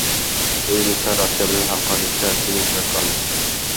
O‘zbekiston Rossiya bilan hamkorlikda film suratga olmoqda